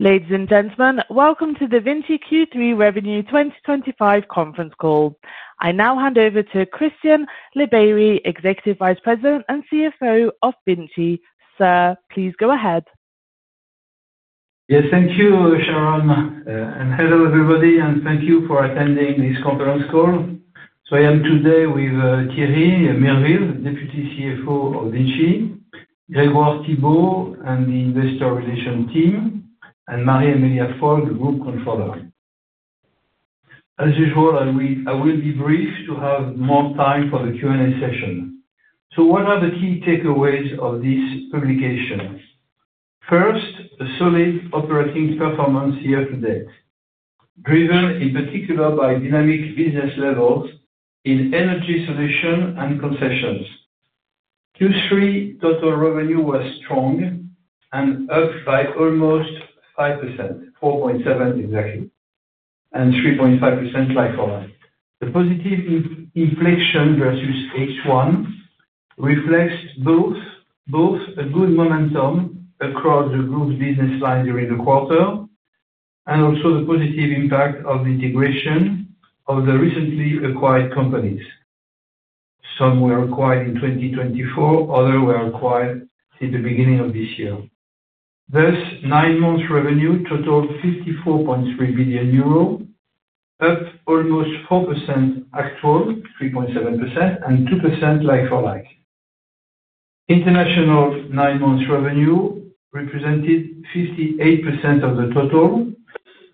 Ladies and gentlemen, welcome to the VINCI Q3 revenue 2025 conference call. I now hand over to Christian Labeyrie, Executive Vice President and CFO of VINCI. Sir, please go ahead. Yes, thank you, Sharon. Hello everybody, and thank you for attending this conference call. I am today with Thierry Mirville, Deputy CFO of VINCI, Grégoire Thibault and the Investor Relations team, and Marie-Amélie Afol, the Group Controller. As usual, I will be brief to have more time for the Q&A session. What are the key takeaways of this publication? First, a solid operating performance year to date, driven in particular by dynamic business levels in energy solutions and concessions. Q3 total revenue was strong and up by almost 5%, 4.7% exactly, and 3.5% like for like. The positive inflection vs H1 reflects both a good momentum across the group's business line during the quarter and also the positive impact of the integration of the recently acquired companies. Some were acquired in 2024, others were acquired in the beginning of this year. Thus, nine months' revenue totaled 54.3 billion euro, up almost 4% actual, 3.7%, and 2% like-for-like. International nine months' revenue represented 58% of the total.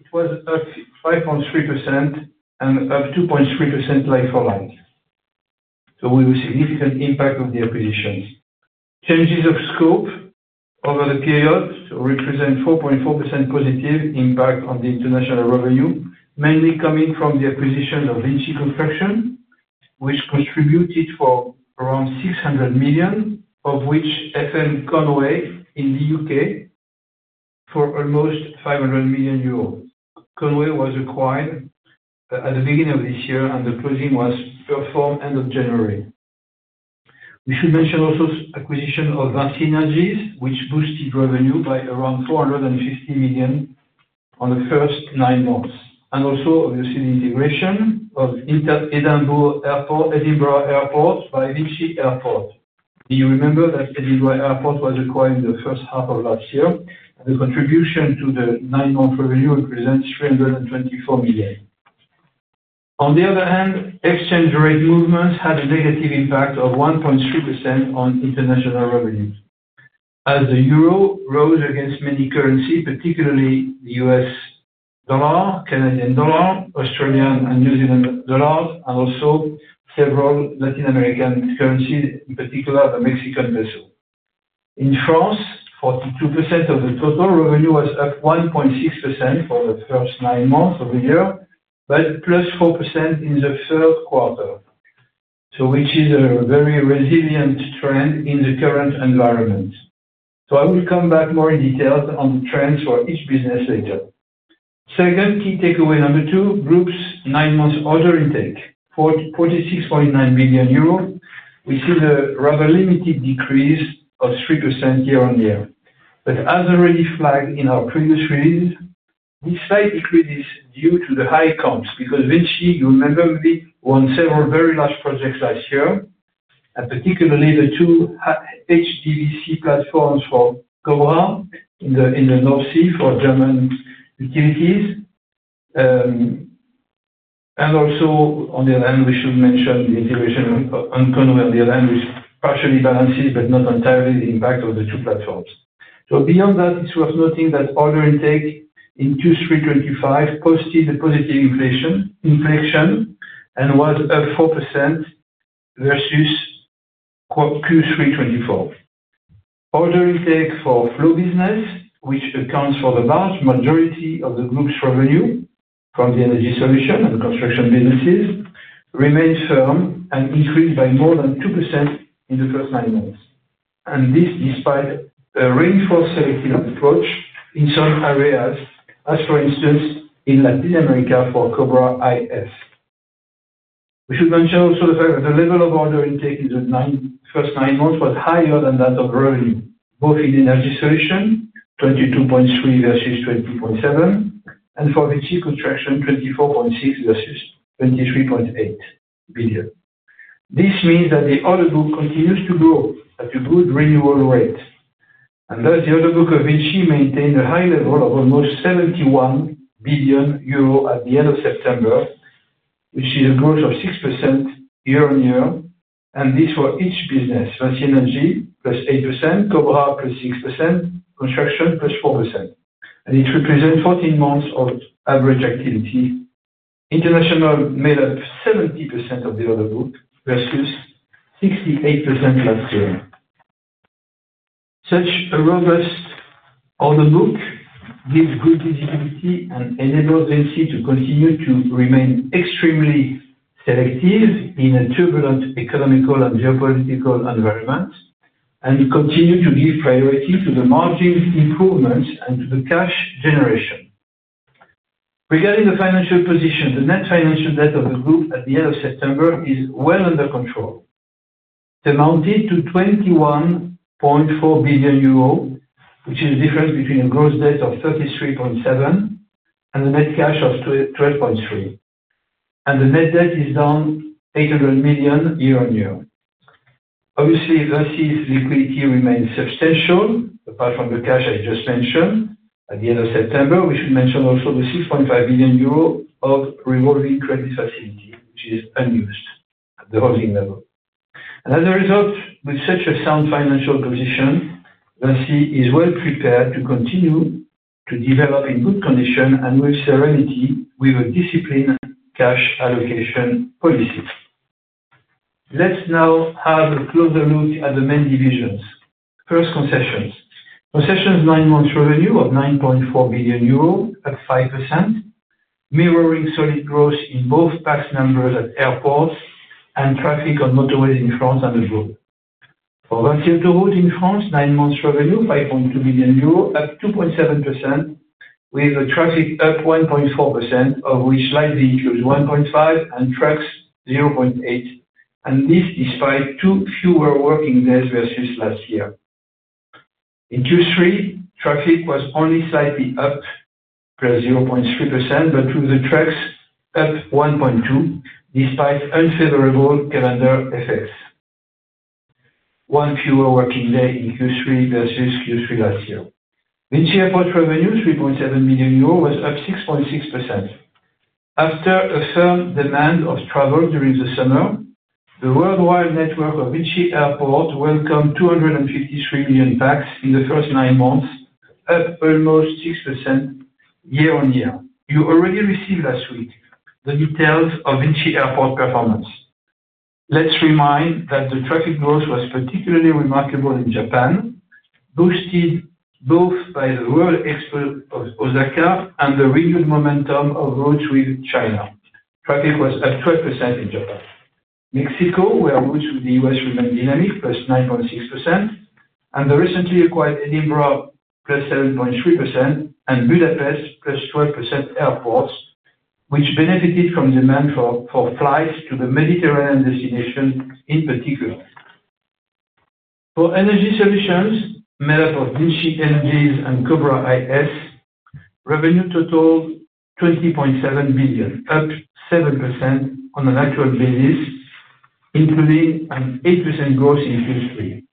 It was up 5.3% and up 2.3% like-for-like. We have a significant impact of the acquisitions. Changes of scope over the period represent 4.4%+ impact on the international revenue, mainly coming from the acquisition of VINCI Construction, which contributed for around 600 million, of which FM Conway in the U.K. for almost 500 million euros. Conway was acquired at the beginning of this year, and the closing was performed end of January. We should mention also the acquisition of VINCI Energies, which boosted revenue by around 450 million on the first nine months, and also, obviously, the integration of Edinburgh Airport by VINCI Airports. Do you remember that Edinburgh Airport was acquired in the first half of last year? The contribution to the nine-month revenue represents 324 million. On the other hand, exchange rate movements had a negative impact of 1.3% on international revenue, as the Euro rose against many currencies, particularly the U.S. dollar, Canadian dollar, Australian and New Zealand dollars, and also several Latin American currencies, in particular the Mexican peso. In France, 42% of the total revenue was up 1.6% for the first nine months of the year, +4% in the third quarter, which is a very resilient trend in the current environment. I will come back more in detail on the trends for each business later. Second key takeaway, number two, group's nine-month order intake, 46.9 billion euros. We see the rather limited decrease of 3% year-on-year. As already flagged in our previous release, this slight decrease is due to the high comps because VINCI, you remember, won several very large projects last year, particularly the two HVDC platforms for COA in the North Sea for German utilities. On the other hand, we should mention the integration of Conway, which partially balances, but not entirely, the impact of the two platforms. Beyond that, it's worth noting that order intake in Q3 2025 posted a positive inflection and was up 4% vs Q3 2024. Order intake for flow business, which accounts for the large majority of the group's revenue from the energy solution and construction businesses, remains firm and increased by more than 2% in the first nine months. This is despite a reinforced selective approach in some areas, for instance, in Latin America for Cobra IS. We should mention also the fact that the level of order intake in the first nine months was higher than that of revenue, both in energy solution, 22.3 billion vs 20.7 billion, and for VINCI Construction, 24.6 billion vs 23.8 billion. This means that the order book continues to grow at a good renewal rate. Thus, the order book of VINCI maintained a high level of almost 71 billion euro at the end of September, which is a growth of 6% year-on-year. This is for each business: VINCI Energies +8%, Cobra IS +6%, Construction plus 4%. It represents 14 months of average activity. International made up 70% of the order book vs 68% last year. Such a robust order book gives good visibility and enables VINCI to continue to remain extremely selective in a turbulent economic and geopolitical environment and continue to give priority to the margin improvements and to the cash generation. Regarding the financial position, the net financial debt of the group at the end of September is well under control. It amounted to 21.4 billion euro, which is a difference between a gross debt of 33.7 billion and a net cash of 12.3 billion. The net debt is down 800 million year-on-year. Obviously, VINCI's liquidity remains substantial, apart from the cash I just mentioned at the end of September. We should mention also the 6.5 billion euro of revolving credit facility, which is unused at the holding level. As a result, with such a sound financial position, VINCI is well prepared to continue to develop in good condition and with serenity with a disciplined cash allocation policy. Let's now have a closer look at the main divisions. First, concessions. Concessions, nine months' revenue of 9.4 billion euro at 5%, mirroring solid growth in both pax numbers at airports and traffic on motorways in France and abroad. For VINCI Autoroutes in France, nine months' revenue, EUR 5.2 billion, up 2.7%, with traffic up 1.4%, of which light vehicles 1.5% and trucks 0.8%. This is despite two fewer working days vs last year. In Q3, traffic was only slightly up, +0.3%, with the trucks up 1.2%, despite unfavorable calendar effects. One fewer working day in Q3 vs Q3 last year. VINCI Airports' revenue, 3.7 billion euros, was up 6.6%. After a firm demand of travel during the summer, the worldwide network of VINCI Airports welcomed 253 million pax in the first nine months, up almost 6% year-on-year. You already received last week the details of VINCI Airports' performance. Let's remind that the traffic growth was particularly remarkable in Japan, boosted both by the World Expo of Osaka and the renewed momentum of routes with China. Traffic was up 12% in Japan. Mexico, where routes with the U.S. remain dynamic, +9.6%, and the recently acquired Edinburgh, +7.3%, and Budapest, +12% airports, which benefited from demand for flights to the Mediterranean destinations in particular. For energy solutions, made up of VINCI Energies and Cobra IS, revenue totaled 20.7 billion, up 7% on an actual basis, including an 8% growth in Q3.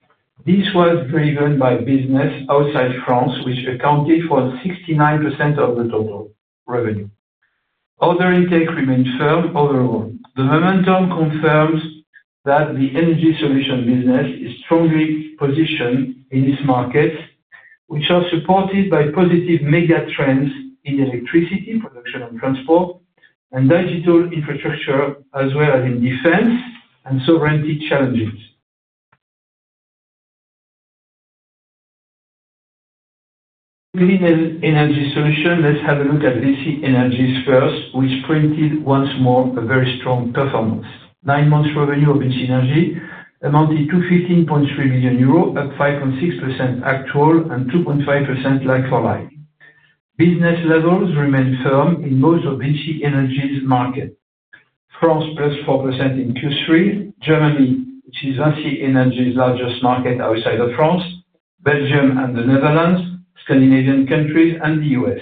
This was driven by business outside France, which accounted for 69% of the total revenue. Order intake remained firm overall. The momentum confirms that the energy solutions business is strongly positioned in its markets, which are supported by positive megatrends in electricity production and transport and digital infrastructure, as well as in defense and sovereignty challenges. In energy solutions, let's have a look at VINCI Energies first, which printed once more a very strong performance. Nine months' revenue of VINCI Energies amounted to 15.3 billion euro, up 5.6% actual and 2.5% like-for-like. Business levels remain firm in most of VINCI Energies' markets: France, +4% in Q3; Germany, which is VINCI Energies' largest market outside of France; Belgium and the Netherlands; Scandinavian countries; and the U.S.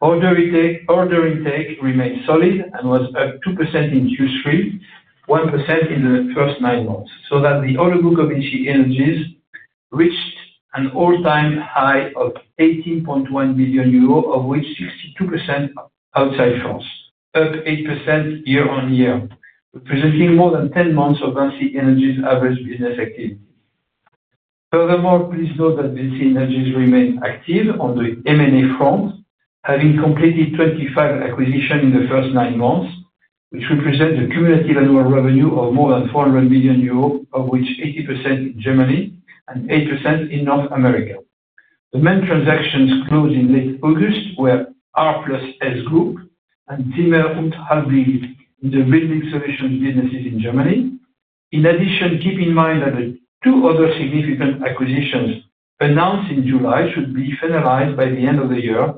Order intake remained solid and was up 2% in Q3, 1% in the first nine months, so that the order book of VINCI Energies reached an all-time high of 18.1 billion euros, of which 62% outside France, up 8% year-on-year, representing more than 10 months of VINCI Energies' average business activity. Furthermore, please note that VINCI Energies remains active on the M&A front, having completed 25 acquisitions in the first nine months, which represent a cumulative annual revenue of more than 400 million euros, of which 80% in Germany and 8% in North America. The main transactions closed in late August were R+S Group and Zimmer & Hälbig in the building solutions businesses in Germany. In addition, keep in mind that the two other significant acquisitions announced in July should be finalized by the end of the year.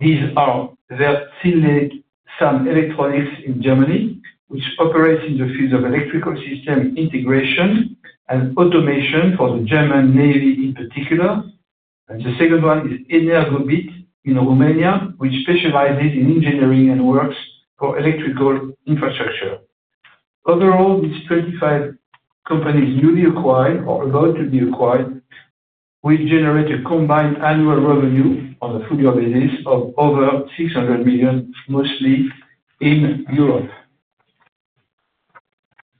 These are Wertzinlich Sun Electronics in Germany, which operates in the field of electrical system integration and automation for the German Navy in particular. The second one is Energobit in Romania, which specializes in engineering and works for electrical infrastructure. Overall, these 25 companies newly acquired or about to be acquired will generate a combined annual revenue on a full-year basis of over 600 million, mostly in Europe.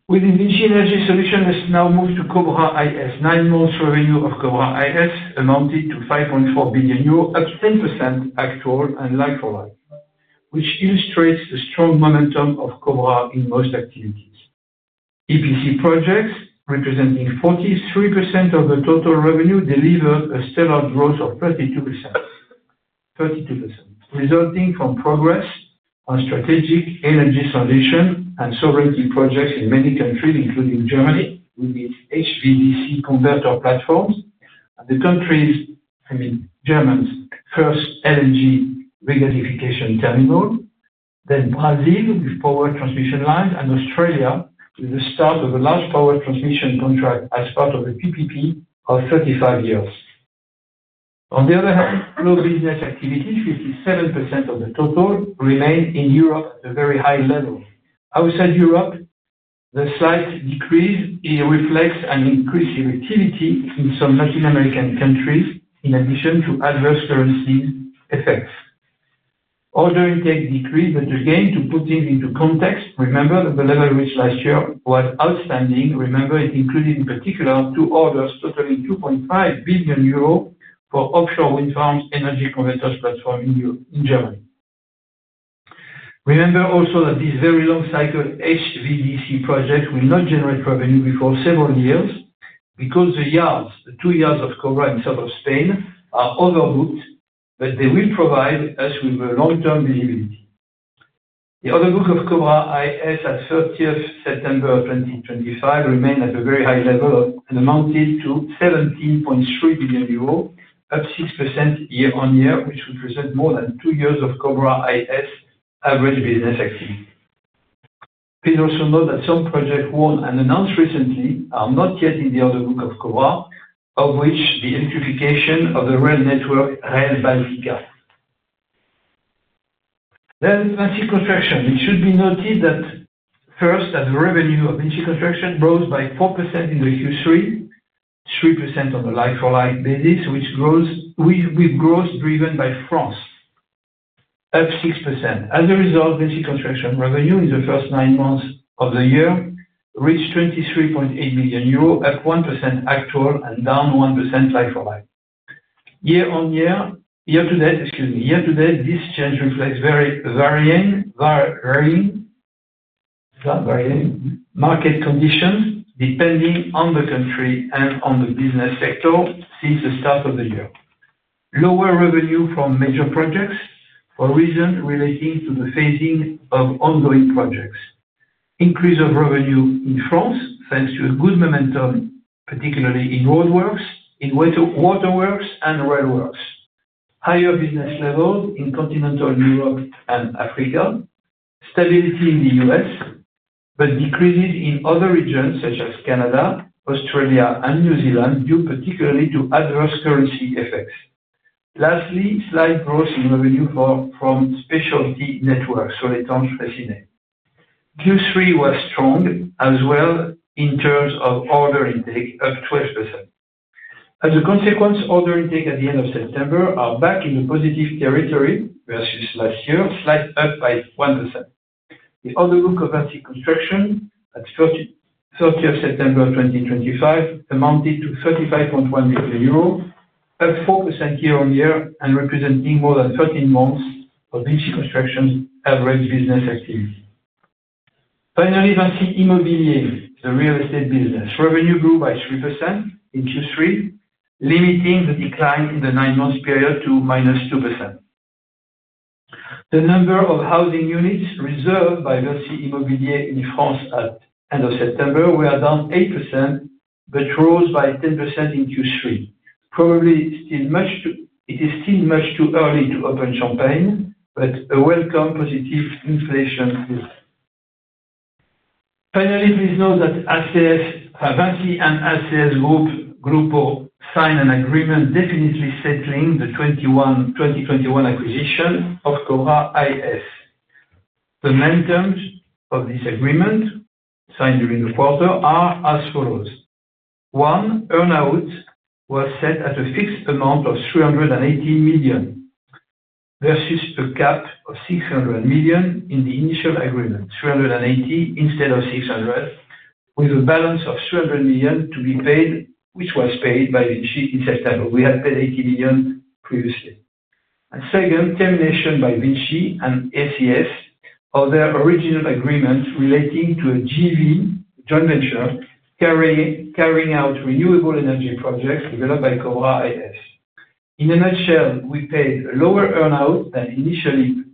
Within VINCI Energy Solution, let's now move to Cobra IS. Nine months' revenue of Cobra IS amounted to 5.4 billion euros, up 10% actual and like-for-like, which illustrates the strong momentum of Cobra in most activities. EPC projects, representing 43% of the total revenue, delivered a stellar growth of 32%, resulting from progress on strategic energy solution and sovereignty projects in many countries, including Germany, with its HVDC converter platforms and the country's first LNG regasification terminal, then Brazil with power transmission lines, and Australia with the start of a large power transmission contract as part of the PPP of 35 years. On the other hand, flow business activities, 57% of the total, remain in Europe at a very high level. Outside Europe, the slight decrease reflects an increase in activity in some Latin American countries in addition to adverse currency effects. Order intake decreased, but again, to put things into context, remember that the level reached last year was outstanding. Remember, it included, in particular, two orders totaling 2.5 billion euro for offshore wind farms, energy converters platform in Germany. Remember also that these very long-cycle HVDC platforms projects will not generate revenue before several years because the yards, the two yards of Cobra IS in southern Spain, are overbooked, but they will provide us with a long-term visibility. The order book of Cobra IS at 30th September 2025 remained at a very high level and amounted to 17.3 billion euros, up 6% year-on-year, which represents more than two years of Cobra IS average business activity. Please also note that some projects won and announced recently are not yet in the order book of Cobra IS, of which the electrification of the rail network, Rail Baltica. VINCI Construction should be noted. First, that the revenue of VINCI Construction rose by 4% in Q3, 3% on the like-for-like basis, with growth driven by France, up 6%. As a result, VINCI Construction revenue in the first nine months of the year reached 23.8 billion euro, up 1% actual, and down 1% like-for-like. Year-on-year, year to date, excuse me, year to date, this change reflects varying market conditions depending on the country and on the business sector since the start of the year. Lower revenue from major projects for reasons relating to the phasing of ongoing projects. Increase of revenue in France thanks to a good momentum, particularly in roadworks, in waterworks, and railworks. Higher business levels in continental Europe and Africa. Stability in the U.S., but decreases in other regions, such as Canada, Australia, and New Zealand, due particularly to adverse currency effects. Lastly, slight growth in revenue from specialty networks, so les tranches racinées. Q3 was strong as well in terms of order intake, up 12%. As a consequence, order intake at the end of September are back in the positive territory vs last year, slight up by 1%. The order book of VINCI Construction at 30th September 2025 amounted to 35.1 billion euros, up 4% year-on-year, and representing more than 13 months of VINCI Construction's average business activity. Finally, VINCI Immobilier, the real estate business. Revenue grew by 3% in Q3, limiting the decline in the nine-month period to +2%. The number of housing units reserved by VINCI Immobilier in France at the end of September were down 8%, but rose by 10% in Q3. Probably still much too it is still much too early to open champagne, but a welcome positive inflation risk. Finally, please note that VINCI and ACS Group signed an agreement definitively settling the 2021 acquisition of Cobra IS. The main terms of this agreement signed during the quarter are as follows: one, earnout was set at a fixed amount of 318 million vs a cap of 600 million in the initial agreement, 318 million instead of 600 million, with a balance of 200 million to be paid, which was paid by VINCI in September. We had paid 80 million previously. Second, termination by VINCI and ACS of their original agreement relating to a joint venture carrying out renewable energy projects developed by Cobra IS. In a nutshell, we paid a lower earnout than initially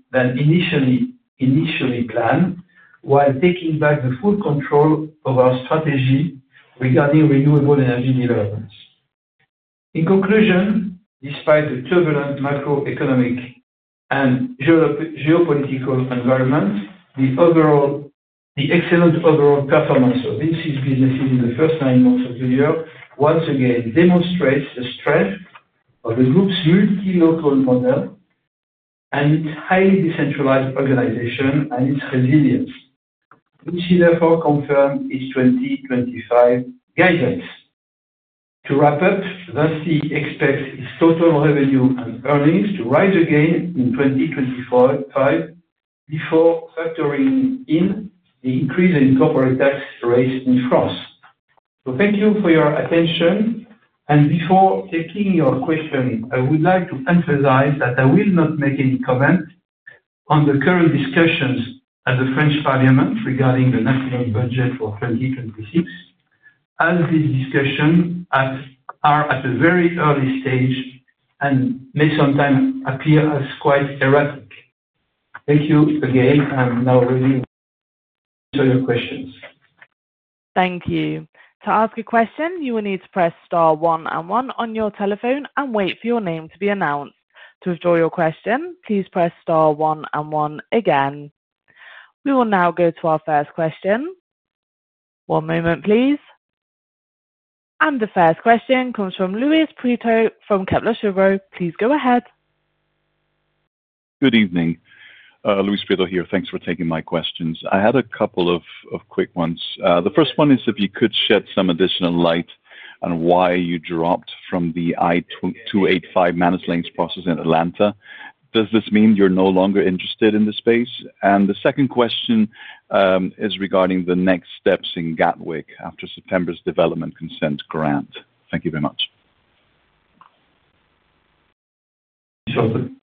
planned while taking back the full control of our strategy regarding renewable energy developments. In conclusion, despite the turbulent macroeconomic and geopolitical environment, the excellent overall performance of VINCI's businesses in the first nine months of the year once again demonstrates the strength of the group's multilocal model, its highly decentralized organization, and its resilience. VINCI therefore confirmed its 2025 guidelines. To wrap up, VINCI expects its total revenue and earnings to rise again in 2025 before factoring in the increase in corporate tax rates in France. Thank you for your attention. Before taking your questions, I would like to emphasize that I will not make any comment on the current discussions at the French Parliament regarding the national budget for 2026, as these discussions are at a very early stage and may sometimes appear as quite erratic. Thank you again. I'm now ready to answer your questions. Thank you. To ask a question, you will need to press star one and one on your telephone and wait for your name to be announced. To withdraw your question, please press star one and one again. We will now go to our first question. One moment, please. The first question comes from Luis Prieto from Kepler Cheuvreux. Please go ahead. Good evening. Luis Prieto here. Thanks for taking my questions. I had a couple of quick ones. The first one is if you could shed some additional light on why you dropped from the I-285 Managed Lanes process in Atlanta. Does this mean you're no longer interested in the space? The second question is regarding the next steps in Gatwick after September's development consent grant. Thank you very much.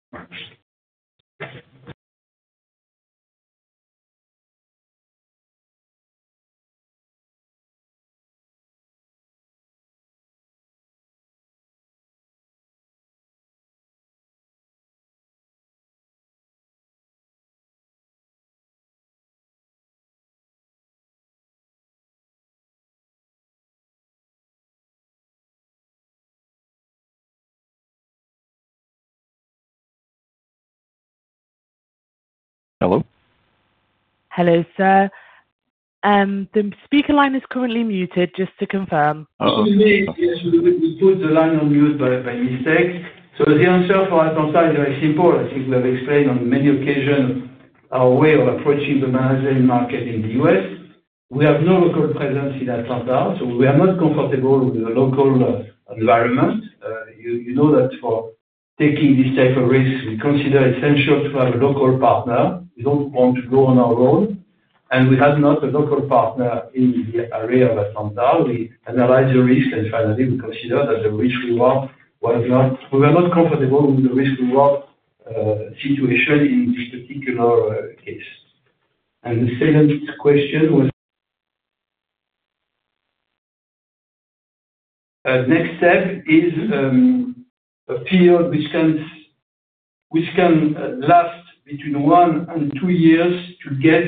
Hello? Hello, sir. The speaker line is currently muted, just to confirm. Oh, okay. Yes, we put the line on mute by mistake. The answer for Atlanta is very simple. I think we have explained on many occasions our way of approaching the management market in the U.S. We have no local presence in Atlanta, so we are not comfortable with the local environment. You know that for taking this type of risk, we consider it essential to have a local partner. We don't want to go on our own. We have not a local partner in the area of Atlanta. We analyze the risk, and finally, we consider that the risk reward was not, we were not comfortable with the risk reward situation in this particular case. The second question was, next step is a period which can last between one and two years to get,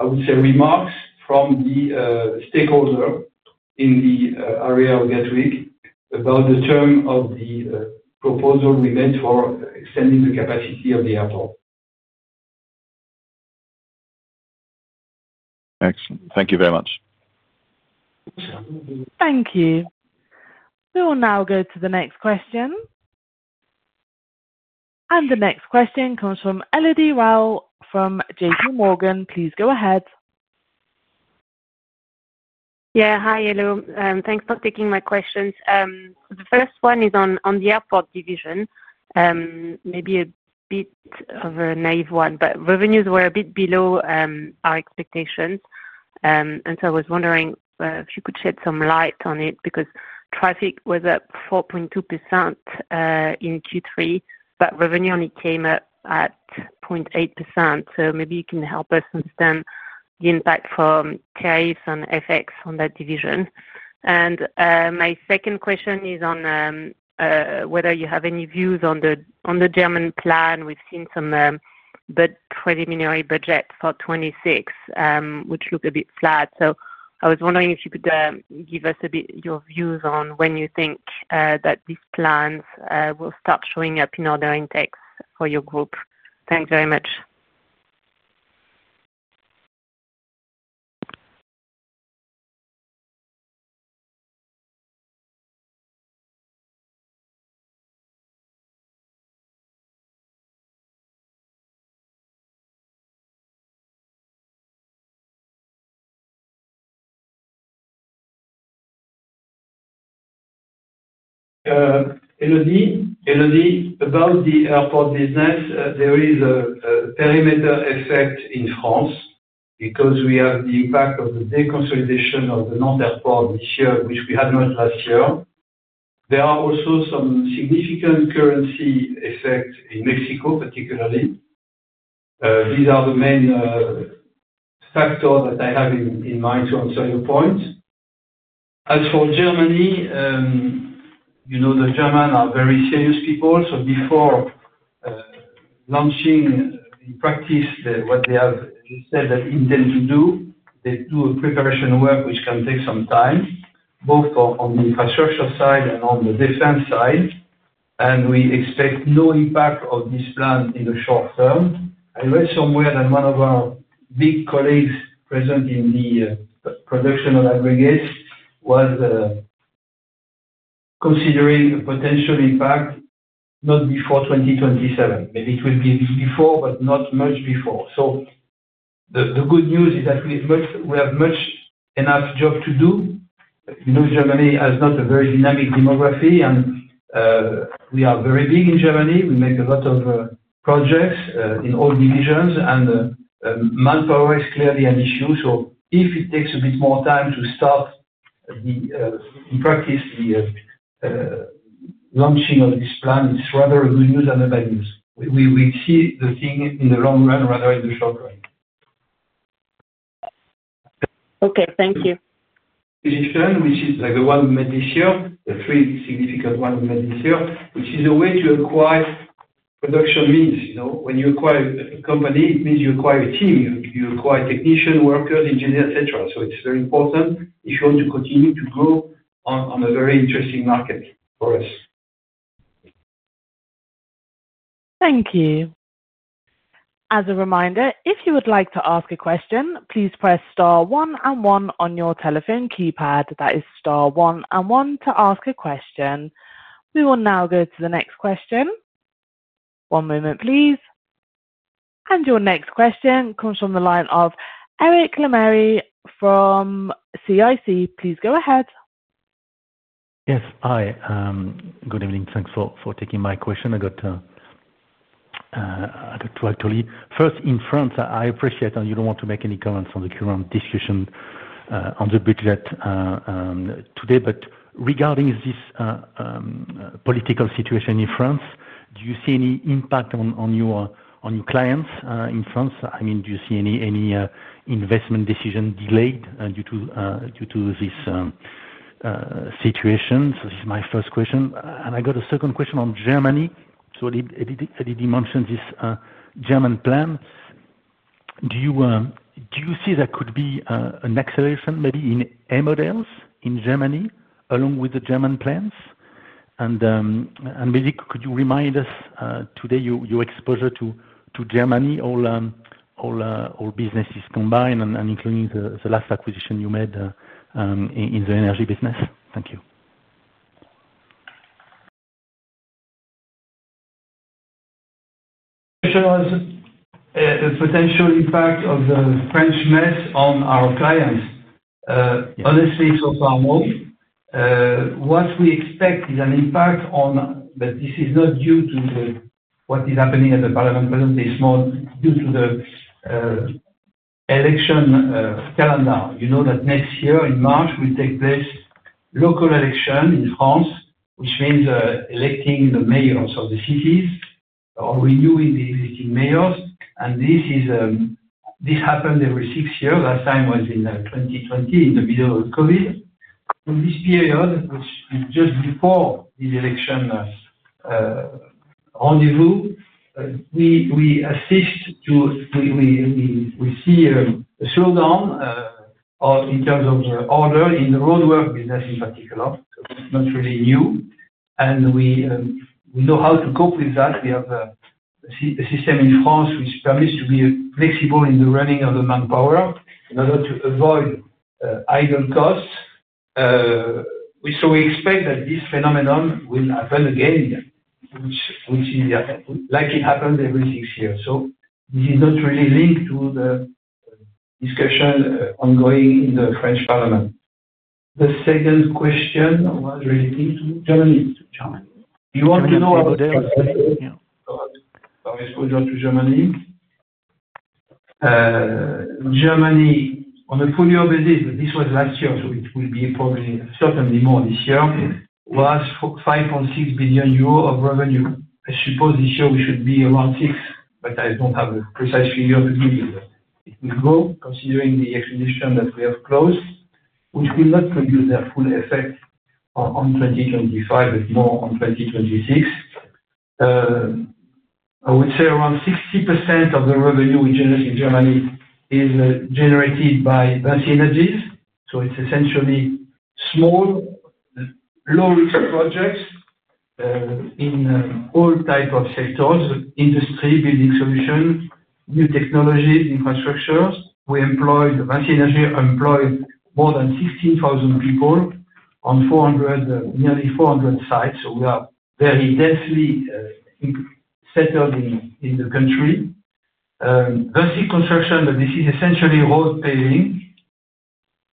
I would say, remarks from the stakeholder in the area of Gatwick about the term of the proposal we made for extending the capacity of the airport. Excellent. Thank you very much. Thank you. We will now go to the next question. The next question comes from Elodie Rall from JPMorgan. Please go ahead. Yeah. Hi. Hello. Thanks for taking my questions. The first one is on the airport division. Maybe a bit of a naive one, but revenues were a bit below our expectations. I was wondering if you could shed some light on it because traffic was up 4.2% in Q3, but revenue only came up at 0.8%. Maybe you can help us understand the impact from tariffs and FX on that division. My second question is on whether you have any views on the German plan. We've seen some preliminary budget for 2026, which look a bit flat. I was wondering if you could give us a bit your views on when you think that these plans will start showing up in order intakes for your group. Thanks very much. Elodie, about the airport business, there is a perimeter effect in France because we have the impact of the deconsolidation of the non-airports this year, which we had not last year. There are also some significant currency effects in Mexico, particularly. These are the main factors that I have in mind to answer your point. As for Germany, you know, the German are very serious people. Before launching in practice what they have said they intend to do, they do a preparation work, which can take some time, both on the infrastructure side and on the defense side. We expect no impact of this plan in the short term. I read somewhere that one of our big colleagues present in the production of aggregates was considering a potential impact not before 2027. Maybe it will be before, but not much before. The good news is that we have much enough job to do. Germany has not a very dynamic demography, and we are very big in Germany. We make a lot of projects in all divisions, and manpower is clearly an issue. If it takes a bit more time to start, in practice, the launching of this plan, it's rather a good news than a bad news. We will see the thing in the long run, rather in the short run. Okay, thank you. Exposition, which is like the one we made this year, the three significant ones we made this year, is a way to acquire production means. You know, when you acquire a company, it means you acquire a team. You acquire technicians, workers, engineers, etc. It's very important if you want to continue to grow on a very interesting market for us. Thank you. As a reminder, if you would like to ask a question, please press star one and one on your telephone keypad. That is star one and one to ask a question. We will now go to the next question. One moment, please. Your next question comes from the line of Eric Lemarié from CIC. Please go ahead. Yes. Hi. Good evening. Thanks for taking my question. I got two, actually. First, in France, I appreciate that you don't want to make any comments on the current discussion on the budget today. Regarding this political situation in France, do you see any impact on your clients in France? I mean, do you see any investment decision delayed due to this situation? This is my first question. I have a second question on Germany. Elodie mentioned this German plan. Do you see that there could be an acceleration maybe in air models in Germany along with the German plans? Could you remind us today of your exposure to Germany, all businesses combined, including the last acquisition you made in the energy business? Thank you. The potential impact of the French mess on our clients, honestly, so far no. What we expect is an impact on, but this is not due to what is happening at the Parliament presently, it's more due to the election calendar. You know that next year, in March, will take place local election in France, which means electing the mayors of the cities or renewing the existing mayors. This happens every six years. Last time was in 2020, in the middle of COVID. In this period, which is just before the election rendezvous, we see a slowdown in terms of order in the roadwork business in particular. It's not really new, and we know how to cope with that. We have a system in France which permits us to be flexible in the running of the manpower in order to avoid idle costs. We expect that this phenomenon will happen again, which is like it happens every six years. This is not really linked to the discussion ongoing in the French Parliament. The second question was relating to Germany. Do you want to know about the exposure to Germany? Germany, on a full-year basis, but this was last year, so it will be probably certainly more this year, was 5.6 billion euros of revenue. I suppose this year we should be around 6 billion, but I don't have a precise figure to give you. It will go considering the acquisition that we have closed, which will not produce their full effect on 2025, but more on 2026. I would say around 60% of the revenue we generate in Germany is generated by VINCI Energies, so it's essentially small, low-risk projects in all types of sectors: industry, building solutions, new technologies, infrastructures. VINCI Energies employed more than 16,000 people on nearly 400 sites. We are very densely settled in the country. VINCI Construction, but this is essentially road paving,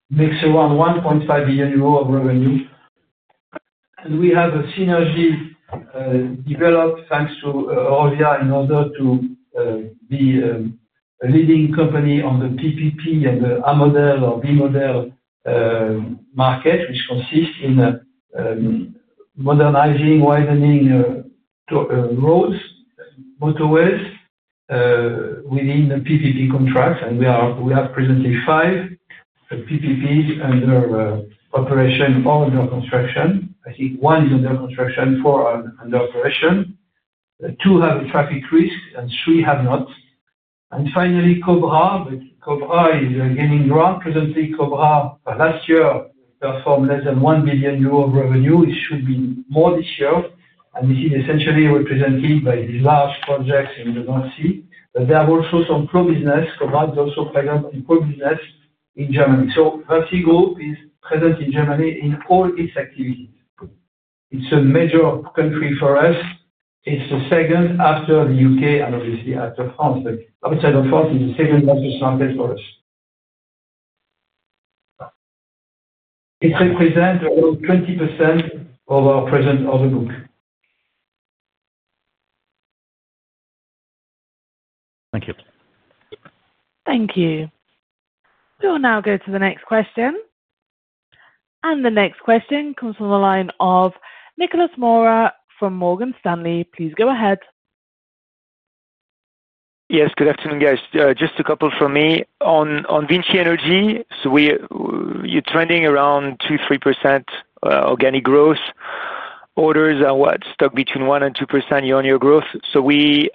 makes around 1.5 billion euro of revenue. We have a synergy developed thanks to Eurovia in order to be a leading company on the PPP and the A model or B model market, which consists in modernizing, widening roads, motorways, within the PPP contracts. We have presently five PPPs under operation or under construction. I think one is under construction, four are under operation. Two have a traffic risk, and three have not. Finally, Cobra, but Cobra is gaining ground. Presently, Cobra, last year, performed less than 1 billion euros of revenue. It should be more this year. This is essentially represented by these large projects in the North Sea. They have also some flow business. Cobra IS is also present in flow business in Germany. VINCI Group is present in Germany in all its activities. It's a major country for us. It's the second after the U.K. and obviously after France. Outside of France, it's the second largest market for us. It represents around 20% of our present order book. Thank you. Thank you. We will now go to the next question. The next question comes from the line of Nicolas Mora from Morgan Stanley. Please go ahead. Yes. Good afternoon, guys. Just a couple from me. On VINCI Energies, so you're trending around 2%-3% organic growth. Orders are what, stuck between 1% and 2% year-on-year growth. Are we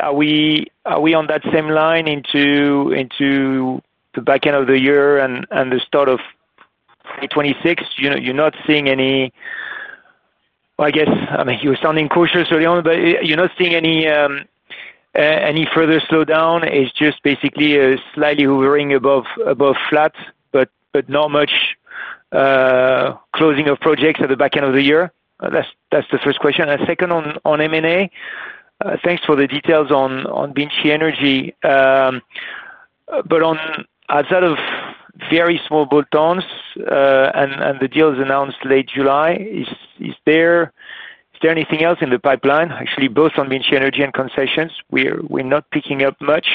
on that same line into the back end of the year and the start of 2026? You're not seeing any, I guess, I mean, you were sounding cautious early on, but you're not seeing any further slowdown. It's just basically slightly hovering above flat, but not much, closing of projects at the back end of the year. That's the first question. Second, on M&A, thanks for the details on VINCI Energies. Outside of very small bolt-ons, and the deal announced late July, is there anything else in the pipeline? Actually, both on VINCI Energies and concessions, we're not picking up much.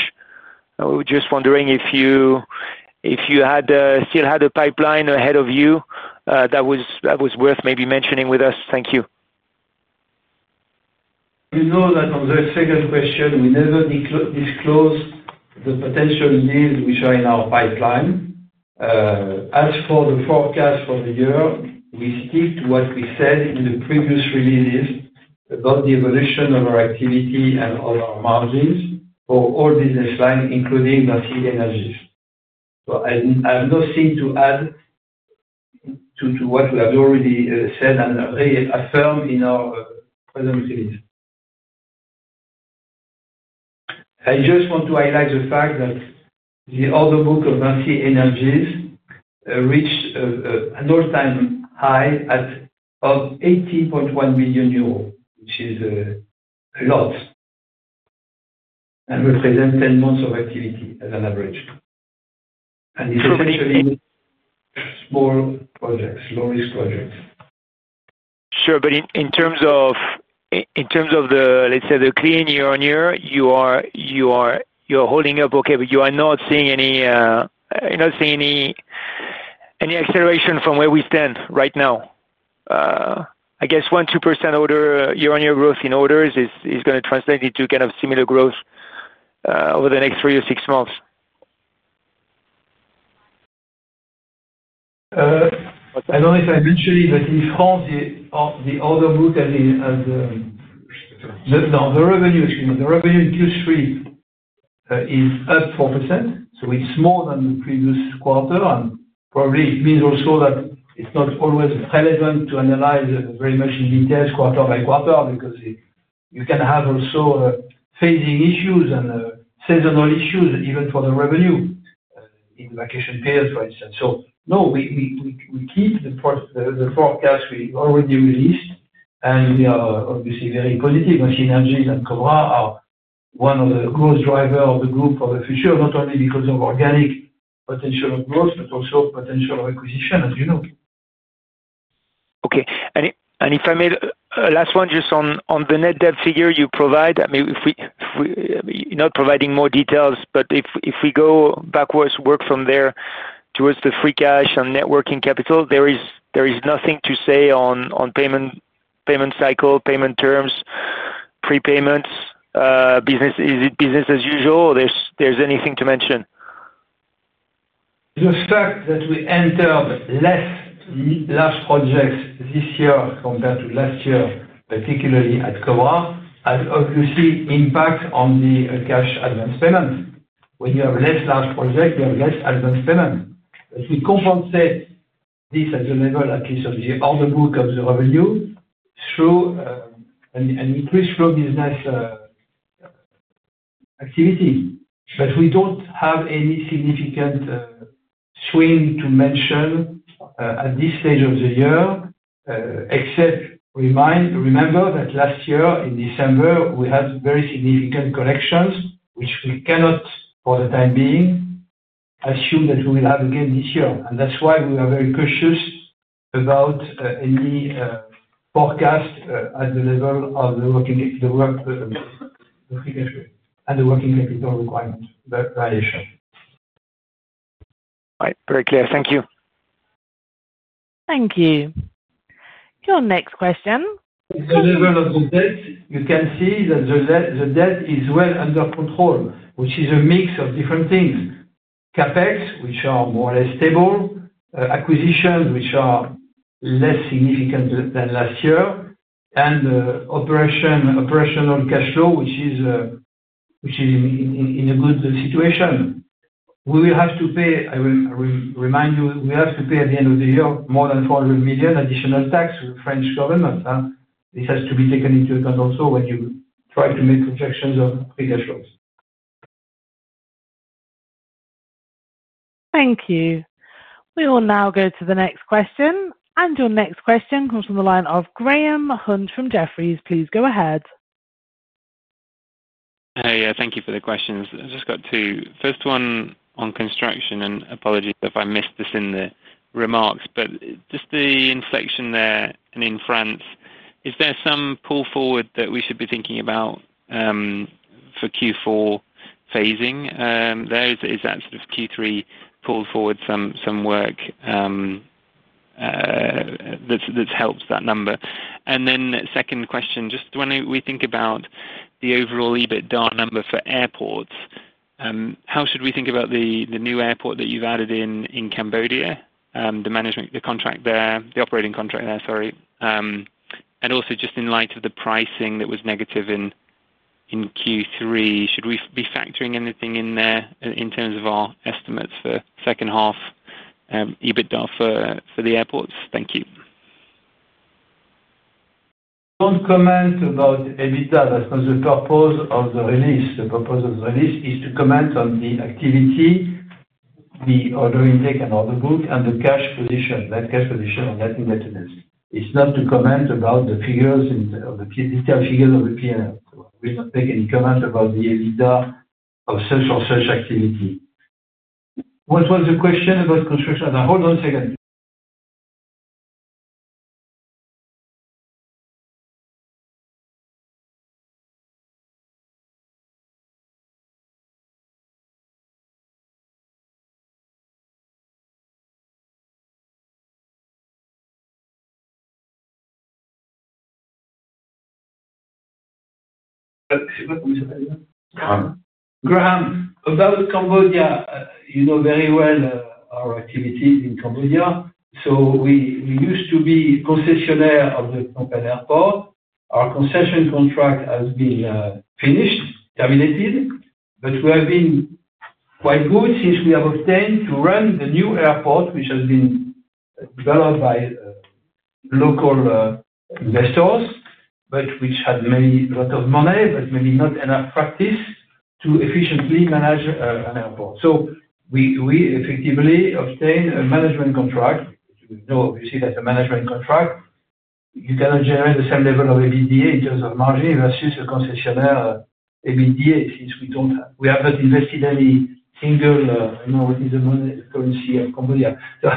I was just wondering if you still had a pipeline ahead of you that was worth maybe mentioning with us. Thank you. You know that on the second question, we never disclosed the potential needs which are in our pipeline. As for the forecast for the year, we stick to what we said in the previous releases about the evolution of our activity and of our margins for all business lines, including VINCI Energies. I have nothing to add to what we have already said and reaffirmed in our present release. I just want to highlight the fact that the order book of VINCI Energies reached an all-time high of 18.1 billion euros, which is a lot. We present 10 months of activity as an average. It's essentially small projects, low-risk projects. Sure. In terms of the, let's say, the clean year-on-year, you're holding up okay, but you're not seeing any acceleration from where we stand right now. I guess 1%-2% year-on-year growth in orders is going to translate into kind of similar growth over the next three to six months? I don't know if I mentioned it, but in France, the order book and the revenue in Q3 is up 4%. It's more than the previous quarter. It probably means also that it's not always relevant to analyze very much in detail quarter-by-quarter because you can have phasing issues and seasonal issues, even for the revenue in the vacation period, for instance. We keep the forecast we already released, and we are obviously very positive. VINCI Energies and Cobra IS are one of the growth drivers of the group for the future, not only because of organic potential of growth, but also potential of acquisition, as you know. Okay. If I may, last one, just on the net debt figure you provide, I mean, if we go backwards, work from there towards the free cash and net working capital, there is nothing to say on payment cycle, payment terms, prepayments, business. Is it business as usual or there's anything to mention? The fact that we entered less large projects this year compared to last year, particularly at Cobra IS, has obviously an impact on the cash advance payments. When you have less large projects, you have less advance payments. We compensate this at the level, at least of the order book or the revenue, through an increased flow business activity. We don't have any significant swing to mention at this stage of the year, except remember that last year, in December, we had very significant collections, which we cannot, for the time being, assume that we will have again this year. That's why we were very cautious about any forecast at the level of the working capital requirement variation. All right. Very clear. Thank you. Thank you. Your next question. At the level of the debt, you can see that the debt is well under control, which is a mix of different things: CapEx, which are more or less stable, acquisitions, which are less significant than last year, and operational cash flow, which is in a good situation. We will have to pay, I will remind you, we have to pay at the end of the year more than 400 million additional tax to the French government. This has to be taken into account also when you try to make projections of free cash flows. Thank you. We will now go to the next question. Your next question comes from the line of Graham Hunt from Jefferies. Please go ahead. Hi. Thank you for the questions. I've just got two. First one on construction, and apologies if I missed this in the remarks. Just the inspection there and in France, is there some pull forward that we should be thinking about for Q4 phasing there? Is that sort of Q3 pull forward some work that helps that number? The second question, just when we think about the overall EBITDA number for airports, how should we think about the new airport that you've added in Cambodia, the management contract there, the operating contract there, sorry? Also, just in light of the pricing that was negative in Q3, should we be factoring anything in there in terms of our estimates for second half EBITDA for the airports? Thank you. Don't comment about EBITDA. That's not the purpose of the release. The purpose of the release is to comment on the activity, the order intake and order book, and the cash position, net cash position, and net investments. It's not to comment about the figures in the detailed figures of the P&L. We don't make any comment about the EBITDA of such or such activity. What was the question about construction? Hold on a second. Graham, about Cambodia, you know very well our activities in Cambodia. We used to be a concessionaire of the Phnom Penh Airport. Our concession contract has been finished, terminated, but we have been quite good since we have obtained to run the new airport, which has been developed by local investors, but which had many lots of money, but maybe not enough practice to efficiently manage an airport. We effectively obtained a management contract. You know, obviously, that's a management contract. You cannot generate the same level of EBITDA in terms of margin vs a concessionaire EBITDA since we don't have, we have not invested any single, I don't know what is the currency of Cambodia. We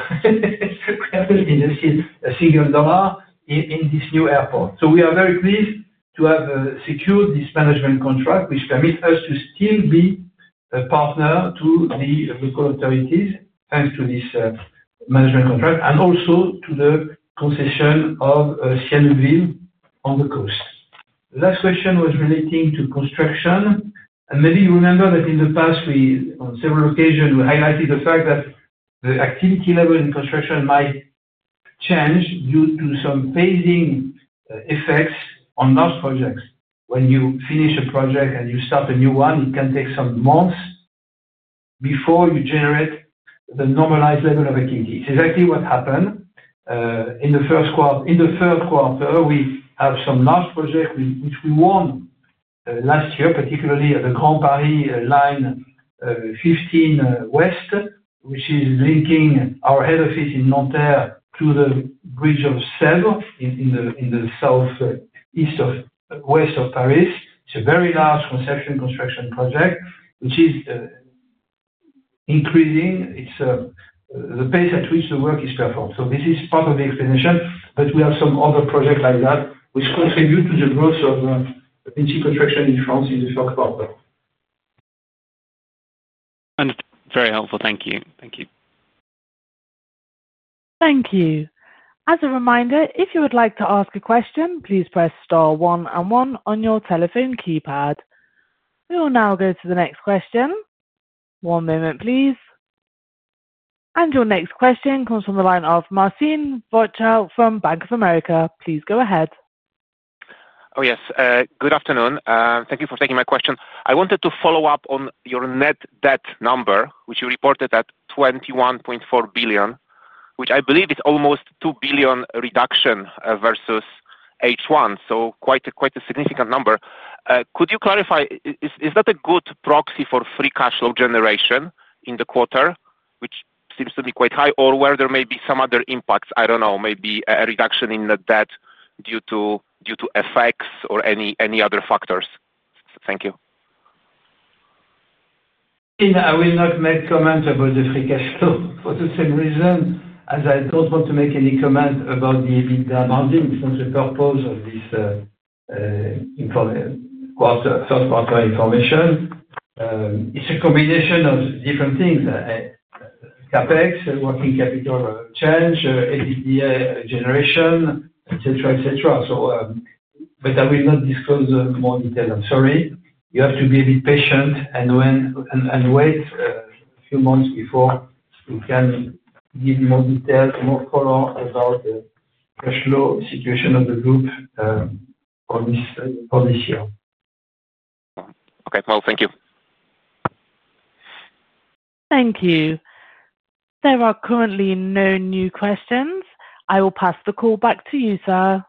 have not invested a single dollar in this new airport. We are very pleased to have secured this management contract, which permits us to still be a partner to the local authorities, thanks to this management contract, and also to the concession of Sienneville on the coast. The last question was relating to construction. Maybe you remember that in the past, on several occasions, we highlighted the fact that the activity level in construction might change due to some phasing effects on large projects. When you finish a project and you start a new one, it can take some months before you generate the normalized level of activity. It's exactly what happened in the first quarter. In the third quarter, we have some large projects which we won last year, particularly at the Grand Paris Line, 15 West, which is linking our head office in Nanterre to the Bridge of Sèvres in the south-west of Paris. It's a very large conception construction project, which is increasing the pace at which the work is performed. This is part of the explanation. We have some other projects like that which contribute to the growth of VINCI Construction in France in the third quarter. Very helpful. Thank you. Thank you. Thank you. As a reminder, if you would like to ask a question, please press star one and one on your telephone keypad. We will now go to the next question. One moment, please. Your next question comes from the line of Marcin Wojtal from Bank of America. Please go ahead. Oh, yes. Good afternoon. Thank you for taking my question. I wanted to follow up on your net debt number, which you reported at 21.4 billion, which I believe is almost 2 billion reduction vs H1. Quite a significant number. Could you clarify, is that a good proxy for free cash flow generation in the quarter, which seems to be quite high, or were there maybe some other impacts? I don't know. Maybe a reduction in the debt due to FX effects or any other factors. Thank you. I will not make comment about the free cash flow for the same reason as I don't want to make any comment about the EBITDA margin. It's not the purpose of this first quarter information. It's a combination of different things: CapEx, working capital change, EBITDA generation, etc., etc. I will not disclose more details. I'm sorry. You have to be a bit patient and wait a few months before you can give more detail, more color about the cash flow situation of the group for this year. Okay, thank you. Thank you. There are currently no new questions. I will pass the call back to you, sir.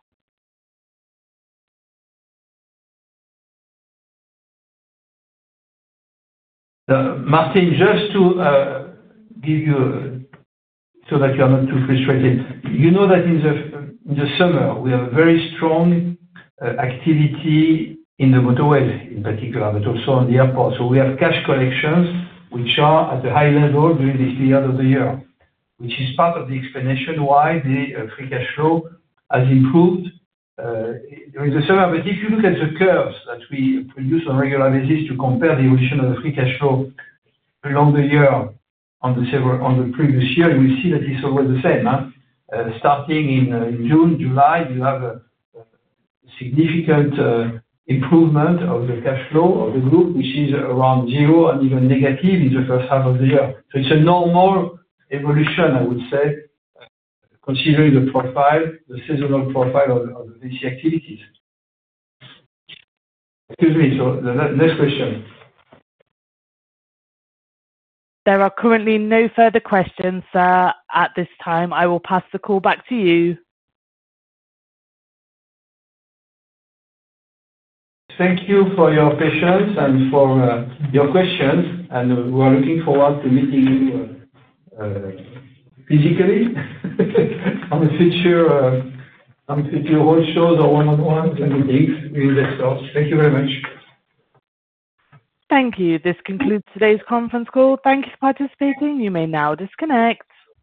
Marcin, just to give you a so that you are not too frustrated. You know that in the summer, we have a very strong activity in the motorways in particular, but also on the airport. We have cash collections, which are at a high level during this period of the year, which is part of the explanation why the free cash flow has improved during the summer. If you look at the curves that we produce on a regular basis to compare the evolution of the free cash flow along the year on the previous year, you will see that it's always the same. Starting in June, July, you have a significant improvement of the cash flow of the group, which is around zero and even negative in the first half of the year. It's a normal evolution, I would say, considering the seasonal profile of the VINCI activities. Excuse me. The next question? There are currently no further questions, sir, at this time. I will pass the call back to you. Thank you for your patience and for your questions. We are looking forward to meeting you physically at future roadshows or one-on-ones and meetings with investors. Thank you very much. Thank you. This concludes today's conference call. Thank you for participating. You may now disconnect.